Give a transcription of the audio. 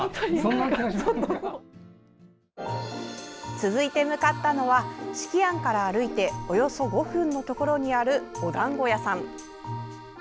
続いて向かったのは子規庵から歩いておよそ５分のところにあるお団子屋さん。